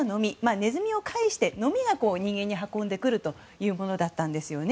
ネズミを介してノミが人間に運んでくるものだったんです。